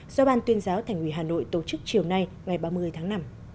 do ban tuyên giáo thành ủy hà nội tổ chức chiều nay ngày ba mươi tháng năm